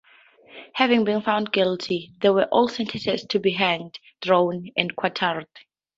Having been found guilty, they were all sentenced to be hanged, drawn and quartered.